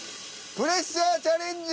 プレッシャーチャレンジ！